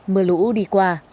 mưa lũ đi qua